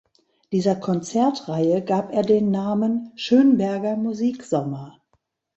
Dieser Konzertreihe gab er den Namen Schönberger Musiksommer.